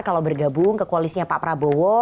kalau bergabung ke koalisnya pak prabowo